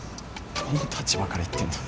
どの立場から言ってんだ。